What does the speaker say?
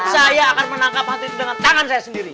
saya akan menangkap hati itu dengan tangan saya sendiri